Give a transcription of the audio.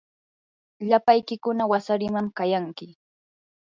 lapaykiykuna wasariman kayanki.